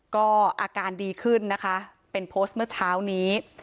ก็อาการดีขึ้นนะคะเป็นโพสต์เมื่อเช้านี้